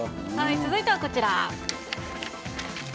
続いてはこちら。